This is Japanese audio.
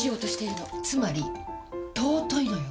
つまり尊いのよ！